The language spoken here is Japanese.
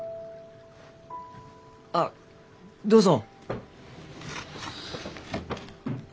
あどうぞ。